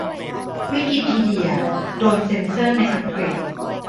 วิกิพีเดียโดนเซนเซอร์ในอังกฤษ